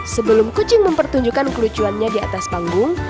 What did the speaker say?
sebelum kucing mempertunjukkan kelucuannya di atas panggung